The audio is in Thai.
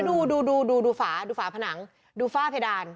แล้วดูดูฝาผนังดูฝ้าเพดาน